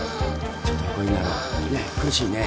苦しいね。